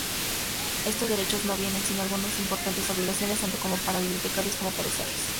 Estos derechos no vienen sin algunas importantes obligaciones tanto para bibliotecarios como para usuarios.